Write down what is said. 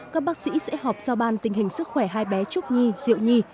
các bác sĩ sẽ họp giao ban tình hình sức khỏe hai bé trúc nhi diệu nhi